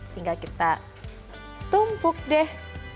tinggal kita tumpuk deh